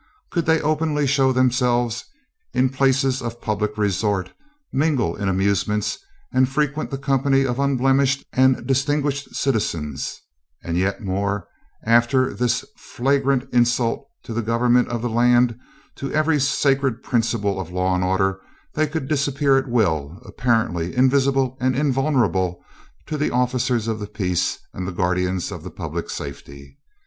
Could they openly show themselves in places of public resort, mingle in amusements, and frequent the company of unblemished and distinguished citizens; and yet more, after this flagrant insult to the Government of the land, to every sacred principle of law and order, they could disappear at will, apparently invisible and invulnerable to the officers of the peace and the guardians of the public safety?